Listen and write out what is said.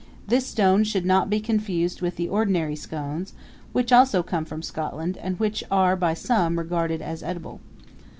This stone should not be confused with the ordinary scones, which also come from Scotland and which are by some regarded as edible.